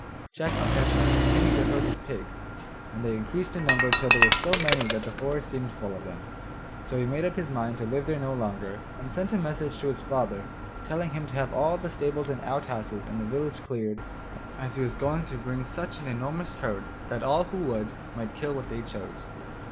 Jack my Hedgehog continued to herd his pigs, and they increased in number till there were so many that the forest seemed full of them. So he made up his mind to live there no longer, and sent a message to his father telling him to have all the stables and outhouses in the village cleared, as he was going to bring such an enormous herd that all who would might kill what they chose.